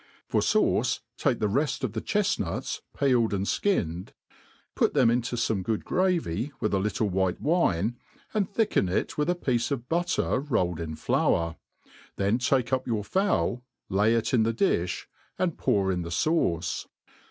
For fauce, take the reft of the chefnuts peeled and fkinned ; put them into fome good gravy, with a little white wine, and thicken it with a piece of butter rolled in flour ; then tajce up your fowl, lay it in the difh, and pour in the fauce.